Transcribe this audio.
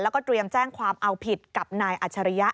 แล้วก็เตรียมแจ้งความเอาผิดกับนายอัจฉริยะ